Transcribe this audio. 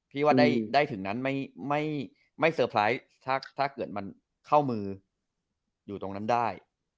พี่ว่าได้ถึงนั้นไม่เซอร์ไพรส์ถ้าเกิดมันเข้ามืออยู่ตรงนั้นได้